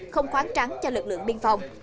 không khoáng trắng cho lực lượng biên phòng